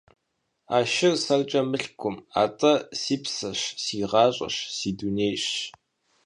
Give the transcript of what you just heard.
А шыр сэркӀэ мылъкукъым, атӀэ си псэщ, си гъащӀэщ, си дунейщ.